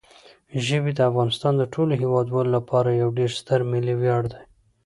ژبې د افغانستان د ټولو هیوادوالو لپاره یو ډېر ستر ملي ویاړ دی.